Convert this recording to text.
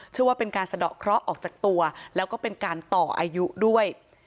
เชื่อว่าเป็นการสะดอกเคราะห์ออกจากตัวแล้วก็เป็นการต่ออายุด้วย